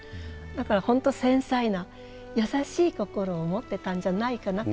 だから本当繊細な優しい心を持ってたんじゃないかな。